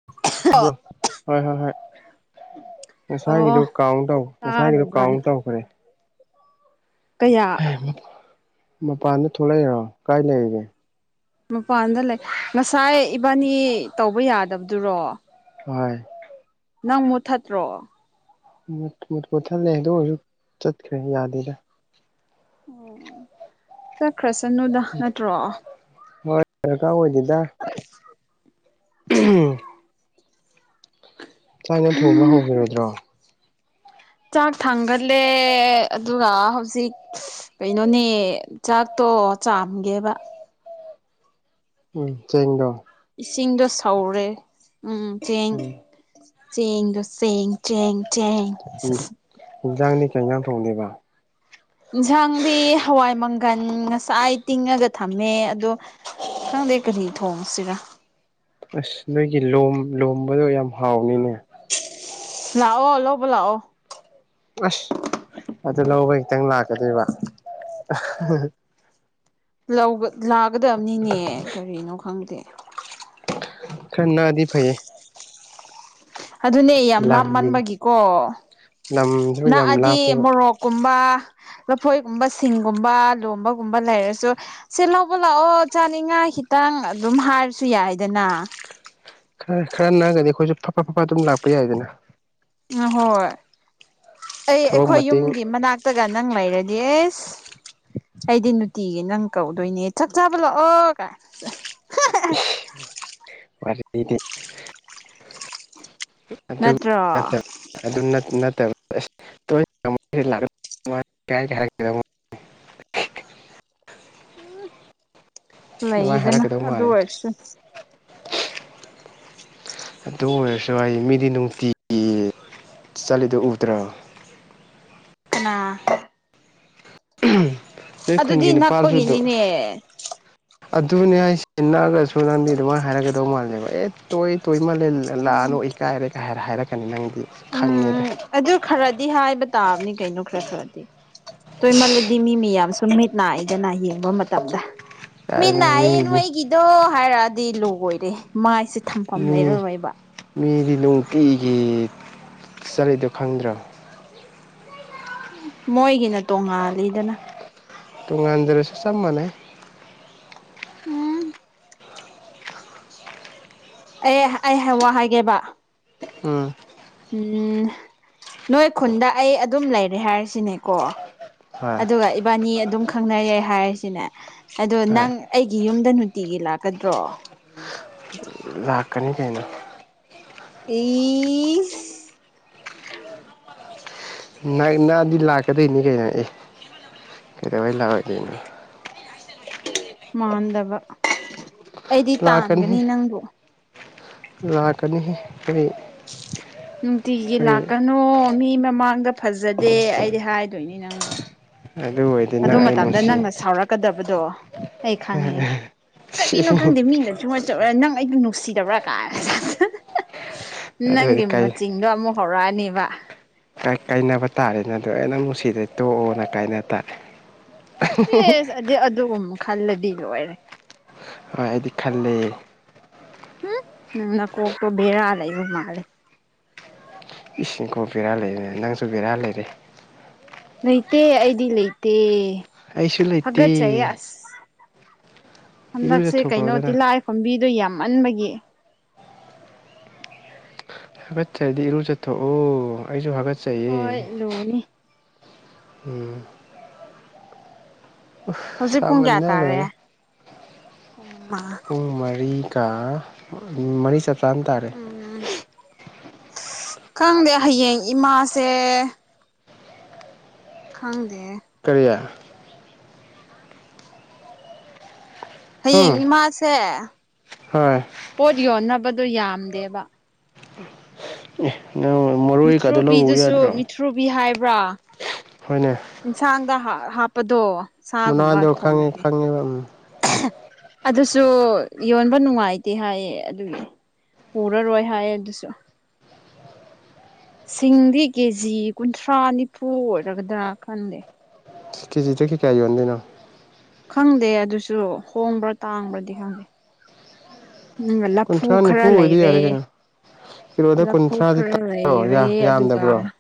[unintelligible] ꯍꯣꯏ ꯍꯣꯏ ꯍꯣꯏ ꯉꯁꯥꯏꯒꯤꯗꯨ ꯑꯣ ꯀꯥꯎꯟ ꯇꯧ ꯉꯁꯥꯒꯤꯗꯨ ꯀꯥꯎꯟ ꯇꯥꯔꯕ꯭ꯔꯥꯅ ꯇꯧꯈ꯭ꯔꯦ ꯀꯌꯥ ꯑꯦ ꯃꯄꯥꯟꯗ ꯊꯣꯛꯂꯛꯏꯔꯣ ꯀꯥꯏ ꯂꯩꯔꯤꯒꯦ ꯃꯄꯥꯟꯗ ꯂꯩ ꯉꯁꯥꯏ ꯏꯕꯥꯅꯤ ꯇꯧꯕ ꯌꯥꯗꯕꯗꯨꯔꯣ ꯍꯣꯏ ꯅꯪ ꯃꯨꯠꯊꯠꯇ꯭ꯔꯣ ꯃꯨ ꯃꯨꯠ ꯃꯨꯊꯠꯂꯦ ꯑꯗꯨ ꯑꯣꯏꯁꯨ ꯆꯠꯈ꯭ꯔꯦ ꯌꯥꯗꯦꯗ ꯆꯠꯈ꯭ꯔꯁꯅꯨꯗ ꯅꯠꯇ꯭ꯔꯣ ꯍꯣꯏ ꯗꯔꯀꯥꯔ ꯑꯣꯏꯗꯦꯗ ꯎꯍꯨꯝ ꯊꯥꯏꯅ ꯊꯣꯡꯕ ꯍꯧꯈꯤꯔꯣꯏꯗ꯭ꯔꯣ ꯆꯥꯛ ꯊꯥꯡꯒꯠꯂꯦ ꯑꯗꯨꯒ ꯍꯧꯖꯤꯛ ꯀꯩꯅꯣꯅꯦ ꯆꯥꯛꯇꯣ ꯆꯥꯝꯒꯦꯕ ꯎꯝ ꯆꯦꯡꯗꯣ ꯏꯁꯤꯡꯗꯣ ꯁꯧꯔꯦ ꯎꯝ ꯆꯦꯡ ꯎꯝ ꯆꯦꯡꯗꯣ ꯆꯦꯡ ꯆꯦꯡ ꯆꯦꯡ ꯎꯝ ꯌꯦꯟꯁꯥꯡꯗꯤ ꯀꯩꯥꯢꯟꯖꯥꯡ ꯊꯣꯡꯗꯣꯢꯕ ꯏꯟꯁꯥꯡꯗꯤ ꯍꯋꯥꯏ ꯃꯪꯒꯟ ꯉꯁꯥꯏ ꯇꯤꯡꯉꯒ ꯊꯝꯃꯦ ꯑꯗꯣ ꯈꯪꯗꯦ ꯀꯔꯤ ꯊꯣꯡꯁꯤꯔ ꯑꯁ ꯅꯣꯏꯒꯤ ꯂꯝ ꯂꯣꯝꯕꯗꯣ ꯌꯥꯝ ꯍꯥꯎꯅꯤꯅꯦ ꯂꯥꯛꯑꯣ ꯂꯧꯕ ꯂꯥꯛꯑꯣ ꯑꯁ ꯑꯗꯨ ꯂꯧꯕ ꯈꯤꯇꯪ ꯂꯥꯛꯀꯗꯣꯏꯕ ꯂꯧꯕ ꯂꯥꯛꯀꯗꯕꯅꯤꯅꯦ ꯀꯔꯤꯅꯣ ꯈꯪꯗꯦ ꯈꯔ ꯅꯥꯛꯑꯗꯤ ꯐꯩꯌꯦ ꯑꯗꯨꯅꯦ ꯌꯥꯝ ꯂꯝ ꯂꯥꯞꯃꯟꯕꯒꯤꯀꯣ ꯂꯝꯁꯨ ꯌꯥꯝ ꯅꯛꯑꯗꯤ ꯂꯥꯞꯄꯦꯕ ꯃꯣꯔꯣꯛ ꯀꯨꯝꯕ ꯂꯐꯣꯏꯒꯨꯝꯕ ꯁꯤꯡꯒꯨꯝꯕ ꯂꯣꯕꯒꯨꯝꯕ ꯂꯩꯔꯁꯨ ꯁꯦ ꯂꯧꯕ ꯂꯥꯛꯑꯣ ꯆꯥꯅꯤꯡꯉꯥꯏ ꯈꯤꯇꯪ ꯑꯗꯨꯝ ꯍꯥꯏꯔꯁꯨ ꯌꯥꯏꯗꯅ ꯈꯔ ꯈꯔ ꯅꯥꯛꯑꯗꯤ ꯑꯩꯈꯣꯏꯁꯨ ꯐꯠ ꯐ ꯑꯗꯨꯝ ꯂꯥꯛꯄ ꯌꯥꯏꯗꯅ ꯑꯝ ꯍꯣꯏ ꯑꯩ ꯊꯕꯛ ꯑꯩꯈꯣꯏ ꯃꯇꯦꯡ ꯌꯨꯝꯒꯤ ꯃꯅꯥꯛ ꯇꯒ ꯅꯪ ꯂꯩꯔꯗꯤ ꯑꯂ ꯑꯩꯗꯤ ꯅꯨꯡꯇꯤꯒꯤ ꯅꯪ ꯀꯧꯗꯣꯏꯅꯦ ꯁꯛ ꯆꯥꯕ ꯂꯥꯛꯑꯣ ꯀꯥꯏ ꯏꯁ ꯋꯥꯔꯤꯗꯤ ꯑꯗꯨ ꯅꯠꯇ꯭ꯔꯣ [unintelligible] ꯑꯗꯨ ꯅꯠꯇꯕ [unintelligible] ꯎꯝ ꯂꯩꯗꯅ ꯍꯥꯏꯔꯛꯀꯗꯧ ꯑꯗꯨ ꯃꯥꯜꯂꯦ ꯑꯣꯏꯔꯁꯨ ꯑꯗꯨ ꯑꯣꯏꯔꯁꯨ ꯍꯥꯏꯌꯦ ꯃꯤꯗꯤ ꯅꯨꯡꯇꯤꯒꯤ ꯆꯠꯂꯤꯗꯣ ꯎꯗ꯭ꯔꯣ ꯀꯅꯥ ꯅꯣꯏ ꯑꯗꯨꯗꯤ ꯈꯨꯟꯒꯤ ꯅꯨꯄꯥꯖꯨ ꯅꯛꯄꯒꯤꯅꯤꯅꯦ [unintelligible] ꯑꯗꯨꯅꯦ ꯍꯥꯏꯁꯤ ꯅꯛꯑꯒꯁꯨ ꯅꯪꯗꯤ ꯑꯗꯨꯃꯥꯏꯅ ꯍꯥꯏꯔꯛꯀꯗꯧ ꯃꯥꯜꯂꯦꯕ ꯑꯦ ꯇꯣꯏ ꯇꯣꯏꯃꯜꯂꯦ ꯂꯥꯛꯑꯅꯣ ꯏꯀꯥꯏꯔꯦ ꯀꯥꯏ ꯍꯥꯏꯔ ꯍꯥꯏꯔꯛꯀꯅꯤ ꯅꯪꯗꯤ ꯈꯪꯉꯦꯗ ꯎꯝ ꯑꯗꯨ ꯈꯔꯗꯤ ꯍꯥꯏꯕ ꯇꯥꯕꯅꯤ ꯀꯩꯅꯣ ꯈꯔ ꯈꯔꯗꯤ ꯇꯣꯏꯃꯜꯂꯗꯤ ꯃꯤ ꯃꯤꯌꯥꯝꯁꯨ ꯃꯤꯠ ꯅꯥꯏꯗꯅ ꯌꯦꯡꯕ ꯃꯇꯝꯗ ꯃꯤ ꯀꯥꯏꯅ ꯅꯥꯏꯌꯦ ꯃꯤ ꯅꯣꯏꯒꯤ ꯗꯣ ꯍꯥꯏꯔꯛꯑꯗꯤ ꯂꯣꯏꯔꯦ ꯃꯥꯏꯁꯦ ꯊꯝꯐꯝ ꯃꯤ ꯂꯩꯔꯔꯣꯏꯕ ꯃꯤꯗꯤ ꯅꯨꯡꯇꯤꯒꯤ ꯆꯠꯂꯤꯗꯣ ꯈꯪꯗ꯭ꯔꯣ ꯎꯝ ꯃꯣꯏꯒꯤꯅ ꯇꯣꯡꯉꯥꯜꯂꯤꯗꯅ ꯇꯨꯡꯉꯥꯟꯖꯔꯁꯨ ꯆꯞ ꯃꯥꯟꯅꯩ ꯎꯝ ꯑꯦ ꯑꯩ ꯍꯥꯏ ꯋꯥ ꯍꯥꯏꯒꯦꯕ ꯎꯝ ꯎꯝ ꯅꯣꯏ ꯈꯨꯟꯗ ꯑꯩ ꯑꯗꯨꯝ ꯂꯩꯔꯦ ꯍꯥꯏꯔꯤꯁꯤꯅꯦꯀꯣ ꯍꯣꯏ ꯑꯗꯨꯒ ꯏꯕꯥꯅꯤ ꯑꯗꯨꯝ ꯈꯪꯅꯔꯦ ꯍꯥꯏꯔꯤꯁꯤꯅꯦ ꯑꯗꯣ ꯍꯣꯏ ꯅꯪ ꯑꯩꯒꯤ ꯌꯨꯝꯗ ꯅꯨꯡꯇꯤꯒꯤ ꯂꯥꯛꯄ ꯂꯥꯛꯀꯅꯤ ꯀꯩꯅꯣ ꯏꯁ ꯅꯛꯑꯗꯤ ꯂꯥꯛꯀꯗꯣꯏꯅꯤ ꯀꯩꯅꯣ ꯑꯦ ꯀꯩꯗꯧꯕꯩ ꯂꯥꯛꯑꯣꯏꯗꯣꯏꯅꯣ ꯃꯥꯟꯗꯕ ꯑꯩꯗꯤ ꯇꯥꯟꯒꯅꯤ ꯅꯪꯗꯣ ꯂꯥꯛꯀꯅꯤ ꯑꯩ ꯅꯨꯡꯇꯤꯒꯤ ꯂꯥꯛꯀꯅꯨ ꯃꯤ ꯃꯃꯥꯡꯗ ꯐꯖꯗꯦ ꯑꯩꯗꯤ ꯍꯥꯏ ꯗꯨꯢꯏꯦ ꯅꯪꯉꯣꯡꯗ ꯑꯗꯨ ꯑꯣꯏ ꯑꯗꯨ ꯃꯇꯝꯗ ꯅꯪꯅ ꯁꯥꯎꯔꯛꯀꯗꯕꯗꯣ ꯑꯩ ꯈꯪꯉꯦ ꯁꯤ ꯀꯔꯤꯅꯣ ꯈꯪꯗꯦ ꯃꯤꯅ ꯁꯨꯃꯥꯏꯅ ꯇꯧꯔ ꯅꯪ ꯑꯩꯗꯨ ꯅꯨꯡꯁꯤꯗꯕ꯭ꯔꯥ ꯀꯥꯏ ꯑꯗꯨ ꯑꯣꯏꯔꯗꯤ ꯅꯪꯒꯤ ꯀꯥꯏ ꯃꯆꯤꯡ ꯑꯗꯣ ꯑꯃꯨꯛ ꯍꯧꯔꯛꯑꯅꯤꯕ ꯀꯥꯏꯅꯕ ꯇꯥꯔꯦꯅꯦ ꯑꯗꯨ ꯑꯩ ꯅꯨꯡꯁꯤꯗ꯭ꯔꯗꯤ ꯇꯣꯛꯑꯣꯅ ꯀꯥꯏꯅ ꯇꯔꯦ [inaudible] ꯑꯦꯁ ꯑꯗꯨ ꯑꯗꯨꯒꯨꯝ ꯈꯜꯂꯗꯤ ꯂꯣꯏꯔꯦ ꯍꯣꯏ ꯑꯩꯗꯤ ꯈꯜꯂꯦ ꯎꯝ ꯅꯪ ꯅꯀꯣꯛꯇꯣ ꯕꯦꯔ ꯂꯩꯕ ꯃꯥꯜꯂꯦ ꯏꯁ ꯀꯣꯛ ꯕꯦꯔꯥ ꯂꯩꯔꯦꯅꯦ ꯅꯪꯁꯨ ꯕꯦꯔꯥ ꯂꯩꯔꯦ ꯂꯩꯇꯦ ꯑꯩꯗꯤ ꯂꯩꯇꯦ ꯑꯩꯁꯨ ꯂꯩꯇꯦ ꯍꯥꯏꯒꯠꯆꯩ ꯑꯁ ꯍꯟꯗꯛꯁꯦ ꯀꯩꯅꯣ ꯏꯔꯨꯖꯊꯣꯛꯈ꯭ꯔꯣꯗꯅ ꯇꯤꯜꯍꯥ ꯈꯣꯝꯕꯤꯗꯣ ꯌꯥꯝꯃꯟꯕꯒꯤ ꯍꯥꯒꯠꯆ ꯍꯥꯏꯗꯤ ꯏꯔꯨ ꯆꯠꯊꯣꯛꯑꯣ ꯑꯩꯁꯨ ꯍꯥꯒꯠꯦ ꯍꯣꯏ ꯂꯨꯅꯤ ꯎꯝ ꯍꯧꯖꯤꯛ ꯄꯨꯡ ꯁꯥꯥꯃꯟ ꯀꯌꯥ ꯇꯥꯔꯦ ꯂꯣꯏꯔꯦ ꯄꯨꯡ ꯑꯃ ꯄꯨꯡ ꯃꯔꯤꯒ ꯃꯔꯤ ꯆꯞ ꯆꯥꯟ ꯇꯥꯔꯦ ꯎꯝ ꯈꯪꯗꯦ ꯍꯌꯦꯡ ꯏꯃꯥꯁꯦ ꯈꯪꯗꯦ ꯀꯔꯤꯌꯥ ꯍꯌꯦꯡ ꯏꯃꯥꯁꯦ ꯍꯣꯢ ꯄꯣꯠ ꯌꯣꯟꯅꯕꯗꯣ ꯌꯥꯝꯗꯦꯕ ꯪ [inaudible] ꯃꯤꯊ꯭ꯔꯨꯕꯤꯗꯨꯁꯨ ꯃꯤꯊ꯭ꯔꯨꯕꯤ ꯍꯥꯏꯕ꯭ꯔꯥ ꯍꯣꯏꯅꯦ ꯌꯦꯟꯁꯥꯡꯗ ꯍꯥꯞꯄꯗꯣ ꯁꯥꯒꯨꯝꯕ ꯃꯅꯥꯗꯣ ꯈꯪꯉꯦ ꯊꯣꯡꯉꯗꯤ ꯈꯪꯉꯦꯕ ꯎꯝ ꯑꯗꯨꯁꯨ ꯌꯣꯟꯕ ꯅꯨꯡꯉꯥꯏꯇꯦ ꯍꯥꯏꯌꯦ ꯑꯗꯨꯒꯤ ꯄꯨꯔꯔꯣꯏ ꯍꯥꯏ ꯑꯗꯨꯁꯨ ꯁꯤꯡꯗꯤ ꯀꯦꯖꯤ ꯀꯨꯟꯊ꯭ꯔꯥ ꯅꯤꯐꯨ ꯑꯣꯏꯔꯒꯗ꯭ꯔꯥ ꯈꯪꯗꯦ ꯀꯦꯖꯤꯗꯒꯤ ꯀꯌꯥ ꯌꯣꯟꯒꯦ ꯍꯥꯏꯅꯣ ꯈꯪꯗꯦ ꯑꯗꯨꯁꯨ ꯍꯣꯡꯕ꯭ꯔꯥ ꯇꯥꯡꯕ꯭ꯔꯗꯤ ꯈꯪꯗꯦ ꯅꯪꯅ ꯂꯐꯨ ꯀꯨꯟꯊ꯭ꯔꯥ ꯈꯔ ꯅꯤꯐꯨ ꯑꯣꯏꯗꯤ ꯂꯩꯔꯦ ꯌꯥꯔꯦ ꯀꯩꯅꯣ ꯀꯤꯂꯣꯗ ꯂꯐꯨ ꯀꯨꯟꯊ꯭ꯔꯥꯗꯤ ꯈꯔ ꯇꯥꯔꯣ ꯂꯩꯔꯦ ꯑꯗꯨꯒ ꯌꯥꯝꯗꯕ꯭ꯔꯣ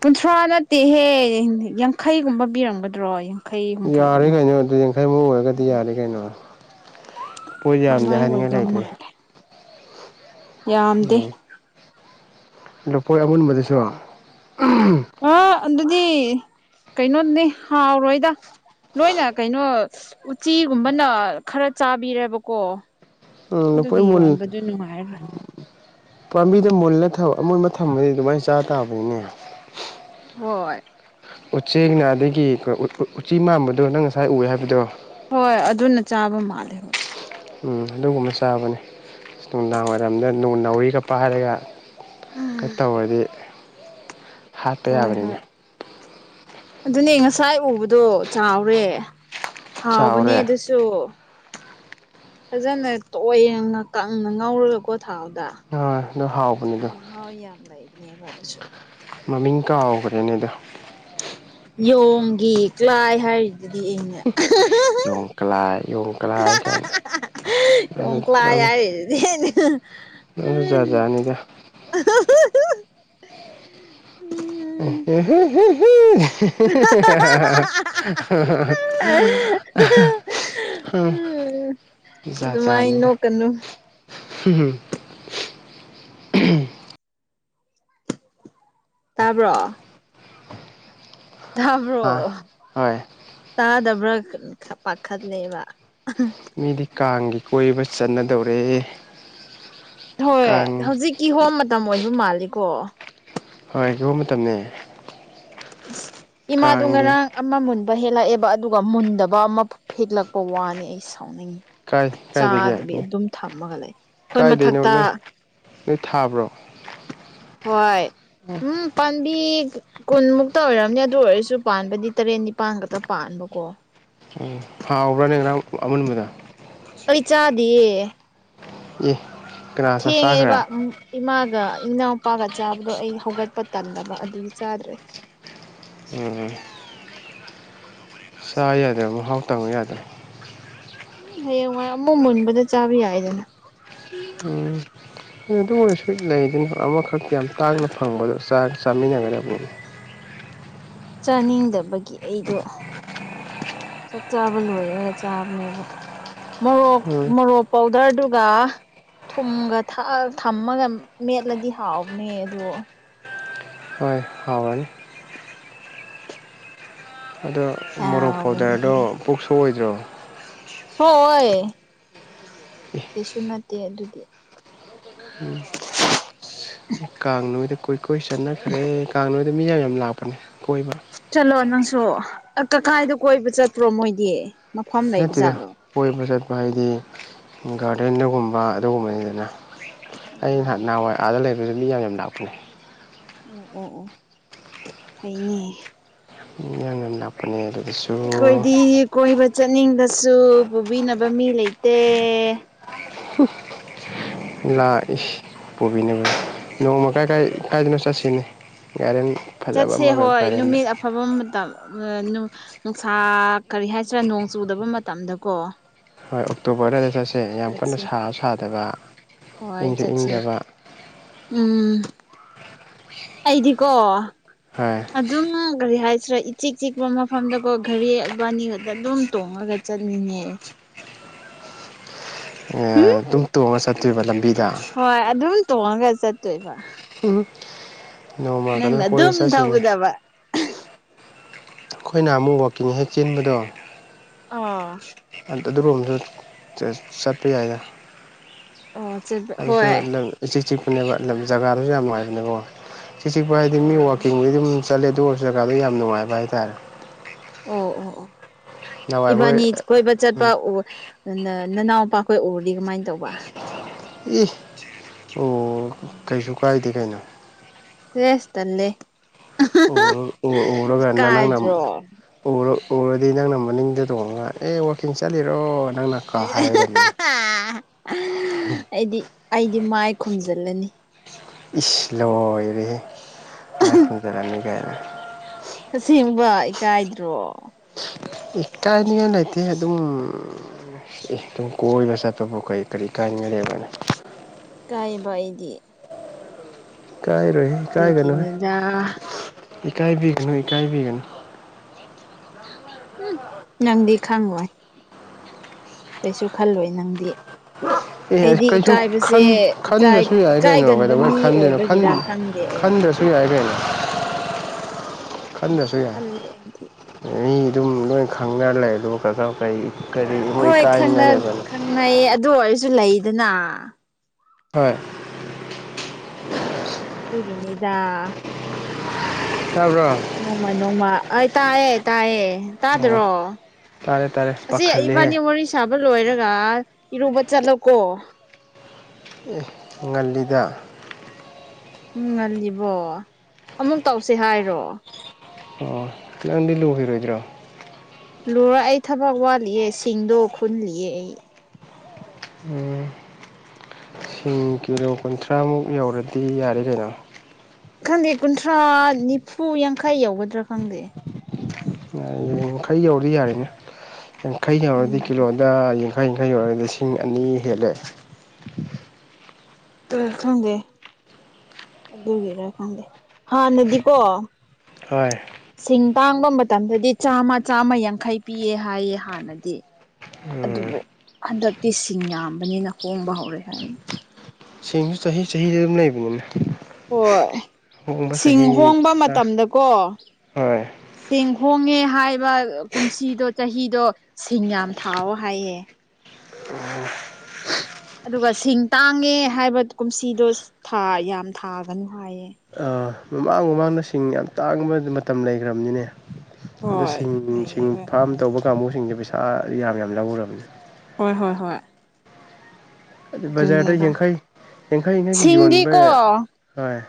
ꯀꯨꯟꯊ꯭ꯔꯥ ꯅꯠꯇꯦꯍꯦ ꯌꯥꯡꯈꯩꯒꯨꯝꯕ ꯄꯤꯔꯝꯒꯗ꯭ꯔꯣ ꯌꯥꯡꯈꯩ ꯌꯥꯔꯦ ꯍꯨꯝꯐꯨꯒꯨꯝꯕ ꯀꯩꯅꯣ ꯑꯗꯨ ꯌꯥꯡꯈꯩꯃꯨꯛ ꯑꯣꯏꯔꯒꯗꯤ ꯌꯥꯔꯦ ꯈꯪꯗꯦ ꯀꯩꯅꯣ ꯄꯣꯠ ꯌꯥꯝꯗꯦ ꯑꯗꯨꯃꯥꯏꯅ ꯍꯥꯏꯅꯤꯡꯉꯥꯏ ꯑꯣꯏꯗꯧ ꯂꯩꯇ꯭ꯔꯦ ꯃꯥꯜꯂꯦ ꯌꯥꯝꯗꯦ ꯎꯝ ꯂꯨꯐꯣꯏ ꯑꯃꯨꯟꯕꯗꯁꯨ ꯑ ꯑꯗꯨꯗꯤ ꯀꯩꯅꯣꯗꯨꯅꯦ ꯍꯥꯎꯔꯣꯏꯗ ꯂꯣꯏꯅ ꯀꯩꯅꯣ ꯎꯆꯤꯒꯨꯝꯕꯅ ꯈꯔ ꯆꯥꯕꯤꯔꯦꯕꯀꯣ ꯎꯝ ꯁꯐꯣꯏ ꯑꯗꯨꯒꯤ ꯃꯨꯟ ꯌꯣꯟꯕꯗꯨ ꯅꯨꯡꯉꯥꯏꯔꯣꯏ ꯄꯥꯝꯕꯤꯗ ꯃꯨꯜꯂ ꯊꯕ ꯑꯃꯨꯟꯕ ꯊꯝꯃꯗꯤ ꯑꯗꯨꯃꯥꯏꯅ ꯆꯥ ꯇꯥꯕꯅꯤꯅꯦ ꯍꯣꯏ ꯎꯆꯦꯛꯅ ꯑꯗꯒꯤ ꯎꯆꯤ ꯃꯥꯟꯕꯗꯣ ꯅꯪ ꯉꯁꯥꯏ ꯎ ꯍꯥꯏꯕꯗꯣ ꯍꯣꯏ ꯑꯗꯨꯅ ꯆꯥꯕ ꯃꯥꯜꯂꯦ ꯍꯣꯏ ꯎꯝ ꯑꯗꯨꯒꯨꯝꯕ ꯆꯥꯕꯅꯦ ꯑꯁ ꯅꯨꯡꯗꯥꯡ ꯋꯥꯏꯔꯝꯗ ꯅꯣꯡ ꯅꯧꯔꯤꯒꯄꯥꯏ ꯍꯥꯏꯔꯒ ꯀ ꯇꯧꯔꯗꯤ ꯍꯥꯠꯄ ꯍꯣꯏ ꯍꯣꯏ ꯌꯥꯕꯅꯤꯅ ꯑꯗꯨꯅꯦ ꯉꯁꯥꯏ ꯎꯕꯗꯣ ꯆꯥꯎꯔꯦ ꯍꯥꯎꯕꯅꯦ ꯆꯥꯎꯔꯦ ꯑꯗꯨꯁꯨ ꯁꯨ ꯐꯖꯅ ꯇꯣꯏꯡꯅ ꯀꯪꯅ ꯉꯧꯔꯒꯀꯣ ꯊꯥꯎꯗ ꯍꯣꯏ ꯑꯗꯨ ꯍꯥꯎꯕꯅꯤꯗꯣ ꯍꯣꯏ ꯌꯥꯝ ꯂꯩꯕꯅꯦꯕ ꯑꯗꯨꯁꯨ ꯃꯃꯤꯡ ꯀꯥꯎꯈ꯭ꯔꯦꯅꯦꯗ ꯌꯣꯡꯒꯤ ꯀ꯭ꯂꯥꯏ ꯍꯥꯏꯔꯤꯗꯨꯗꯤ ꯑ ꯌꯣꯡꯀ꯭ꯂꯥꯏ ꯌꯣꯡꯀ꯭ꯂꯥꯏ ꯀꯥꯏꯅ ꯌꯣꯡꯀꯂꯥꯏ ꯅꯪꯁꯨ ꯖꯥꯠ ꯖꯥꯠꯅꯤꯗ ꯑꯍꯍꯍ ꯍꯝ [inaudible] ꯍꯝ ꯎꯝ ꯖꯥꯠ ꯑꯗꯨꯃꯥꯏꯅ ꯖꯥꯠꯅꯤꯗ ꯅꯣꯛꯀꯅꯨ ꯇꯥꯕ꯭ꯔꯣ ꯇꯥꯕ꯭ꯔꯣ ꯑꯥ ꯍꯣꯏ ꯇꯥꯗꯕ꯭ꯔꯥ ꯄꯥꯈꯠꯂꯦꯕ ꯃꯤꯗꯤ ꯀꯥꯡꯒꯤ ꯀꯣꯏꯕ ꯆꯠꯅꯗꯧꯔꯦ ꯍꯣꯏ ꯀꯥꯡ ꯍꯧꯖꯤꯛ ꯀꯤꯍꯣꯝ ꯃꯇꯝ ꯑꯣꯏꯕ ꯃꯥꯜꯂꯤꯀꯣ ꯍꯣꯏ ꯍꯣꯝ ꯃꯇꯝꯅꯦ ꯏꯃꯥꯗꯨ ꯀꯥꯡꯒꯤ ꯉꯔꯥꯡ ꯑꯃ ꯃꯨꯟꯕ ꯍꯦꯜꯂꯛꯑꯦꯕ ꯑꯗꯨꯒ ꯃꯨꯟꯗꯕ ꯑꯃ ꯍꯤꯠꯂꯛꯄ ꯋꯥꯅꯤ ꯑꯩ ꯁꯥꯎꯅꯤꯡꯉꯤ ꯀꯥꯏ ꯆꯥꯗꯕꯤ ꯀꯥꯏꯗꯒꯤ ꯑꯗꯨꯝ ꯊꯝꯃꯒ ꯂꯩ ꯑꯩꯈꯣꯏ ꯀꯥꯏꯗꯩꯅꯣ ꯃꯊꯛꯇ ꯅꯣꯏ ꯅꯣꯏ ꯊꯥꯕ꯭ꯔꯣ ꯍꯣꯏ ꯎꯝ ꯄꯥꯝꯕꯤ ꯀꯨꯟꯃꯨꯛꯇ ꯑꯣꯏꯔꯝꯅꯤ ꯑꯗꯨ ꯑꯣꯏꯔꯁꯨ ꯄꯥꯟꯕꯗꯤ ꯇꯔꯦꯠ ꯅꯤꯄꯥꯟ ꯈꯛꯇ ꯄꯥꯟꯕꯀꯣ ꯑꯣ ꯍꯥꯎꯕ꯭ꯔꯥꯅꯦ ꯉꯔꯥꯡ ꯑꯃꯨꯟꯕꯗꯣ ꯑꯩ ꯆꯥꯗꯤꯌꯦ ꯑꯦ ꯀꯅꯥ ꯆꯥ ꯊꯦꯡꯉꯦꯕ ꯆꯥꯈ꯭ꯔꯦ ꯏꯃꯥꯒ ꯏꯅꯥꯎꯄꯥꯒ ꯆꯥꯕꯗꯣ ꯑꯩ ꯍꯧꯒꯠꯄ ꯇꯟꯗꯕ ꯑꯗꯨꯒꯤ ꯆꯥꯗ꯭ꯔꯦ ꯎꯝ ꯆꯥ ꯌꯥꯗꯦꯕ ꯃꯍꯥꯎ ꯇꯪꯕ ꯌꯥꯗ꯭ꯔꯥ ꯎꯝ ꯍꯌꯦꯡꯋꯥꯏ ꯑꯃꯨꯛ ꯃꯨꯟꯕꯗ ꯆꯥꯕ ꯌꯥꯏꯗꯅ ꯎꯝ ꯑꯗꯨ ꯑꯣꯏꯔꯁꯨꯨ ꯂꯩꯗꯅ ꯑꯃꯈꯛꯇꯤ ꯌꯥꯝ ꯇꯥꯡꯅ ꯐꯪꯕꯗꯣ ꯆꯥꯈꯤ ꯆꯥꯃꯤꯟꯅꯒꯗꯝꯅꯦ ꯆꯥꯅꯤꯡꯗꯕꯒꯤ ꯑꯩꯗꯣ ꯆꯥꯛ ꯆꯥꯕ ꯂꯣꯏꯔꯦꯒ ꯆꯥꯕꯃꯦꯕ ꯃꯣꯔꯣꯛ ꯎꯝ ꯃꯣꯔꯣꯛ ꯄꯧꯗ꯭ꯔꯗꯨꯒ ꯊꯨꯝꯒ ꯊꯝꯃꯒ ꯃꯦꯠꯂꯗꯤ ꯍꯥꯎꯕꯅꯦ ꯑꯗꯣ ꯍꯥꯎꯅꯤ ꯑꯗꯣ ꯃꯣꯔꯣꯛ ꯄꯥꯎꯗꯔꯗꯣ ꯍꯥꯎꯕꯅꯦ ꯄꯨꯛꯁꯨꯑꯣꯏꯗ꯭ꯔꯣ ꯁꯣꯏ ꯀꯩꯁꯨ ꯅꯠꯇꯦ ꯑꯗꯨꯗꯤ [unintelligible] ꯀꯥꯡ ꯅꯣꯏꯗ ꯀꯣꯏꯀꯣꯏ ꯆꯠꯅꯈ꯭ꯔꯦ ꯀꯥꯡ ꯅꯣꯏꯗ ꯃꯤ ꯌꯥꯝ ꯌꯥꯝ ꯂꯥꯛꯄꯅꯦ ꯀꯣꯏꯕ ꯆꯠꯂꯣ ꯅꯪꯁꯨ ꯀꯀꯥꯏꯗ ꯀꯣꯏꯕ ꯆꯠꯇ꯭ꯔꯣ ꯃꯣꯏꯗꯤ ꯃꯐꯝ ꯂꯩꯕ ꯅꯠꯇꯦꯗ ꯖꯥꯠꯂꯣ ꯀꯣꯏꯕ ꯆꯠꯄ ꯍꯥꯏꯗꯤ ꯒꯥꯔꯗꯦꯟꯗꯒꯨꯝꯕ ꯑꯗꯨꯒꯨꯝꯕꯅꯤꯗꯅ ꯑꯩ ꯅꯍꯥꯟ ꯑꯣ ꯅꯍꯥꯟꯋꯥꯏ ꯑꯥꯗ ꯂꯩꯕꯁꯨ ꯃꯤ ꯌꯥꯝ ꯌꯥꯝ ꯂꯥꯛꯄꯅꯦ ꯑꯣ ꯑꯣ ꯑꯣ ꯐꯩꯅꯦ ꯌꯥꯝ ꯌꯥꯝ ꯂꯥꯛꯄꯅꯦ ꯑꯗꯨꯗꯁꯨ ꯑꯩꯈꯣꯏꯗꯤ ꯀꯣꯏꯕ ꯆꯠꯅꯤꯡꯕꯁꯨ ꯄꯨꯕꯤꯅꯕ ꯃꯤ ꯂꯩꯇꯦ ꯂꯥꯛꯏ ꯄꯨꯣꯕꯤꯕꯨ ꯅꯣꯡꯃ ꯀꯥꯏ ꯀꯥꯏꯗꯅꯣ ꯆꯠꯁꯤꯅꯦ ꯌꯥꯔꯦꯅꯤ ꯆꯠꯁꯦ ꯍꯣꯏ ꯅꯨꯃꯤꯠ ꯑꯐꯕ ꯃꯇꯝ ꯎ ꯅꯨꯡꯁꯥ ꯀꯔꯤ ꯍꯥꯏꯁꯤꯔꯥ ꯅꯣꯡ ꯆꯨꯗꯕ ꯃꯇꯝꯗꯀꯣ ꯍꯣꯏ ꯑꯣꯛꯇꯣꯕꯔ ꯑꯗꯨꯗ ꯆꯠꯁꯦ ꯌꯥꯝ ꯀꯟꯅ ꯆꯠꯁꯦ ꯁꯥꯁꯨ ꯁꯥꯗꯕ ꯍꯣꯏ ꯏꯪꯁꯨ ꯆꯠꯁꯤ ꯏꯪꯗꯕ ꯎꯝ ꯑꯩꯗꯤꯀꯣ ꯍꯥꯏ ꯑꯗꯨꯝ ꯀꯔꯤ ꯍꯥꯏꯁꯤꯔꯥ ꯏꯆꯤꯛ ꯆꯤꯛꯄ ꯃꯐꯝꯗꯀꯣ ꯢꯔꯤꯕꯥꯅꯤꯒꯛꯇ ꯑꯗꯨꯝ ꯇꯣꯡꯉꯒ ꯆꯠꯅꯤꯡꯉꯦ ꯑꯗꯨꯝ ꯇꯣꯡꯉꯒ ꯆꯠꯇꯣꯏꯕ ꯂꯝꯕꯤꯗ ꯍꯣꯏ ꯑꯗꯨꯝ ꯇꯣꯡꯉꯒ ꯆꯠꯇꯣꯏꯕ ꯎꯝ ꯅꯣꯡꯃ ꯀꯩꯅꯣ ꯅꯪꯅ ꯑꯗꯨꯝ ꯀꯣꯏꯕ ꯆꯠꯁꯤꯅꯦ ꯊꯧꯒꯗꯕ ꯑꯩꯈꯣꯏꯅ ꯑꯃꯨꯛ ꯋꯥꯛꯀꯤꯡ ꯍꯦꯛ ꯆꯦꯟꯕꯗꯣ ꯑꯣ ꯑꯗꯨꯒꯨꯝꯕꯁꯨ ꯆꯠꯄ ꯌꯥꯏꯗ ꯑꯣ ꯆꯠꯄ ꯑꯗꯨꯁꯨ ꯍꯣꯏ ꯏꯤꯛ ꯆꯤꯛꯄꯅꯦꯕ ꯖꯒꯥꯗꯨꯁꯨ ꯌꯥꯝ ꯉꯥꯏꯕꯅꯦꯀꯣ ꯆ ꯆꯤꯛꯄ ꯍꯥꯏꯗꯤ ꯃꯤ ꯑꯣ ꯋꯥꯋꯥꯛꯀꯤꯡꯕꯨꯒꯤ ꯑꯗꯨꯝ ꯆꯠꯂꯦ ꯑꯗꯨ ꯑꯣꯏꯔꯁꯨ ꯖꯒꯥꯗꯣ ꯌꯥꯝ ꯅꯨꯡꯉꯥꯏꯕ ꯍꯥꯏꯇꯥꯔꯦ ꯑꯣ ꯑꯣ ꯑꯣ ꯅꯍꯥꯟꯋꯥꯏ ꯑꯩꯈꯣꯏ ꯏꯕꯥꯅꯤ ꯀꯣꯏꯕ ꯆꯠꯄ ꯎꯝ ꯅ ꯅꯅꯥꯎꯄꯥꯈꯣꯏ ꯎꯔꯨꯗꯤ ꯀꯃꯥꯏꯅ ꯇꯧꯕ ꯏ ꯑꯣ ꯀꯩꯁꯨ ꯀꯥꯏꯗꯦ ꯀꯩꯅꯣ ꯇꯨꯦꯁ ꯊꯂꯦ ꯑꯣꯔꯒ ꯅꯪꯅ ꯏꯀꯥꯏꯗ꯭ꯔꯣ ꯎꯔ ꯎꯔꯗꯤ ꯅꯪꯅ ꯃꯅꯤꯡꯗ ꯇꯣꯡꯉꯒ ꯑꯦ ꯋꯥꯛꯀꯤꯡ ꯆꯠꯂꯤꯔꯣ ꯅꯪꯅ ꯀꯥ ꯍꯥꯏꯔꯗꯕꯅꯤ ꯑꯩꯗꯤ ꯑꯩꯗꯤ ꯃꯥꯏ ꯈꯨꯝꯖꯤꯜꯂꯅꯤ ꯏꯁ ꯂꯣꯢꯔꯦꯍꯦ ꯃꯥꯏꯈꯨꯟꯖꯔꯅꯤ ꯒꯥꯏꯅ ꯑꯁꯦꯡꯕ ꯏꯀꯥꯏꯗ꯭ꯔꯣ ꯏꯀꯥꯏꯅꯤꯡꯉꯥꯏ ꯂꯩꯇꯦ ꯑꯗꯨꯝ ꯑꯗꯨꯨꯝ ꯀꯣꯏꯕ ꯆꯠꯄꯕꯨ ꯀꯔꯤ ꯀꯔꯤ ꯀꯥꯏꯅꯤꯉꯥꯏ ꯂꯩꯕ꯭ꯔꯅꯦ ꯀꯥꯏꯕ ꯑꯩꯗꯤ ꯏ ꯀꯥꯏꯔꯣꯏꯍ ꯏ ꯀꯥꯏꯒꯅꯨꯍ ꯑꯗꯨꯒꯤꯅꯤꯗ ꯏꯀꯥꯏꯕꯤꯒꯅꯨ ꯏꯀꯥꯏꯕꯤꯒꯅꯨ ꯎꯝ ꯅꯪꯗꯤ ꯈꯪꯉꯣꯏ ꯀꯩꯁꯨ ꯈꯜꯂꯣꯏ ꯅꯪꯗꯤ ꯑꯦ ꯑꯩꯗꯤ ꯀꯩꯁꯨ ꯏꯀꯥꯏꯕꯁꯦ ꯈꯟꯗ꯭ꯔꯁꯨ ꯌꯥꯏ ꯀꯩꯅꯣ ꯏꯀꯥꯏꯒꯟꯕ ꯀꯩꯗꯧꯕꯩ ꯃꯤ ꯑꯣꯏꯕꯒꯤꯔ ꯈꯪꯗꯦ ꯁ ꯌꯥꯏ ꯀꯩꯅꯣ ꯈꯟꯖꯁꯨ ꯌꯥꯏ ꯈꯜꯂꯦ ꯑꯩꯗꯤ ꯃꯤ ꯑꯗꯨꯝ ꯂꯣꯏ ꯈꯪꯅꯔ ꯂꯩ ꯑꯗꯨꯒ ꯀꯔꯤ ꯏꯣꯏ ꯀꯥꯏꯅ ꯂꯩꯕꯅꯣ ꯉꯩꯌꯦ ꯑꯗꯨ ꯑꯣꯏꯔꯁꯨ ꯂꯩꯗꯅ ꯍꯣꯏ ꯑꯗꯨꯒꯤꯅꯤꯗ ꯇꯥꯕ꯭ꯔꯣ ꯅꯣꯡꯃ ꯅꯣꯡꯃ ꯑꯩ ꯇꯥꯏꯌꯦ ꯇꯥꯏꯌꯦ ꯑꯣ ꯇꯥꯗ꯭ꯔꯣ ꯇꯥꯔꯦ ꯇꯥꯔꯦ ꯑꯁꯤ ꯑꯩ ꯏꯕꯥꯅꯤ ꯄꯥꯈꯠꯂꯦꯍꯦ ꯃꯦ ꯁꯥꯕ ꯂꯣꯏꯔꯒ ꯏꯔꯨꯕ ꯆꯠꯂꯣꯀꯣ ꯑꯦ ꯉꯜꯂꯤꯗ ꯎ ꯉꯜꯂꯤꯕꯣ ꯑꯃꯨꯛ ꯇꯧꯁꯤ ꯍꯥꯏꯔꯣ ꯑꯣ ꯈꯤꯇꯪꯗꯤ ꯂꯨꯈꯤꯔꯣꯏꯗ꯭ꯔꯣ ꯂꯨꯔ ꯑꯩ ꯊꯕꯛ ꯋꯥꯠꯂꯤꯦ ꯁꯤꯡꯗꯣ ꯈꯨꯜꯂꯤꯌꯦꯦ ꯑꯩ ꯎꯝ ꯁꯤꯡ ꯑꯗꯨ ꯀꯤꯂꯣ ꯀꯨꯟꯊ꯭ꯔꯥꯃꯨꯛ ꯌꯧꯔꯗꯤ ꯌꯥꯔꯦ ꯀꯩꯅꯣ ꯈꯪꯗꯦ ꯀꯨꯟꯊ꯭ꯔꯥ ꯅꯤꯐꯨ ꯌꯥꯡꯈꯩ ꯌꯥꯎꯒꯗ꯭ꯔꯥ ꯈꯪꯗꯦ ꯌꯥꯡꯈꯩ ꯌꯧꯔꯗꯤ ꯌꯥꯔꯤꯅꯦ ꯌꯥꯡꯈꯩ ꯌꯧꯔꯗꯤ ꯎꯝ ꯀꯤꯂꯣ ꯗ ꯌꯥꯡꯈꯩ ꯌꯥꯡꯈꯩ ꯌ ꯑꯣꯏꯔꯒꯗꯤ ꯂꯤ ꯁꯤꯡ ꯑꯅꯤ ꯍꯦꯜꯂꯦ ꯈꯪꯗꯦ ꯑꯗꯨꯒꯤꯔ ꯈꯪꯗꯦ ꯍꯥꯟꯅꯗꯤꯀꯣ ꯍꯣꯏ ꯁꯤꯡ ꯇꯥꯡꯕ ꯃꯇꯝꯗꯗꯤ ꯆꯥꯃ ꯆꯥꯝꯃ ꯌꯥꯡꯈꯩ ꯄꯤꯑ ꯍꯥꯏꯌꯦ ꯍꯥꯟꯅꯗꯤ ꯎꯝ ꯑꯗꯨꯕꯨ ꯍꯟꯗꯛꯇꯤ ꯁꯤꯡ ꯌꯥꯝꯕꯅꯤꯅ ꯍꯣꯡꯕ ꯍꯧꯔꯦ ꯍꯥꯏꯅꯤ ꯁꯦꯡꯁꯨ ꯆꯍꯤ ꯆꯍꯤꯗ ꯑꯗꯨꯝ ꯂꯩꯕꯅꯤꯅ ꯍꯣꯏ ꯑꯍꯣꯡꯕ ꯁꯤꯡ ꯆꯍꯤ ꯍꯣꯡꯕ ꯃꯇꯝꯗꯀꯣ ꯍꯣꯏ ꯆꯦꯡ ꯍꯣꯡꯉꯦ ꯍꯥꯏꯕ ꯀꯨꯝꯁꯤꯗꯣ ꯆꯍꯤꯗꯣ ꯁꯤꯡ ꯌꯥꯝ ꯊꯥꯎꯑꯣ ꯍꯥꯏꯌꯦ ꯑꯗꯨꯒ ꯁꯤꯡ ꯇꯥꯡꯉꯦ ꯍꯥꯏꯕ ꯀꯨꯝꯁꯤꯗꯣ ꯌꯥꯝ ꯊꯥꯒꯅꯨ ꯍꯥꯏꯌꯦ ꯑꯥ ꯃꯃꯥꯡ ꯃꯃꯥꯡꯗ ꯁꯤꯡ ꯌꯥꯝ ꯇꯥꯡꯕ ꯃꯇꯝ ꯂꯩꯈ꯭ꯔꯕꯅꯤꯅꯦ ꯑꯗ ꯍꯣꯏ ꯁꯤꯡ ꯁꯤꯡ ꯂꯩꯌꯦꯕ ꯐꯥꯝ ꯇꯧꯕ ꯀꯥꯡꯕꯨꯁꯤꯡꯁꯦ ꯄꯩꯁꯥ ꯌꯥꯝ ꯌꯥꯝ ꯂꯧꯔꯔꯕꯅꯤ ꯍꯣꯏ ꯍꯣꯏ ꯍꯣꯏ ꯑꯗꯨ ꯕꯖꯥꯔꯗ ꯑꯗꯨꯅꯦꯕ ꯌꯥꯡꯈꯩ ꯌꯥꯡꯈꯩ ꯌꯥꯡꯈꯩꯒꯤ ꯌꯣꯟꯕ ꯁꯤꯡꯗꯤꯀꯣ ꯍꯣꯏ